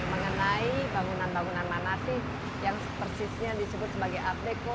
mengenai bangunan bangunan mana sih yang persisnya disebut sebagai art deko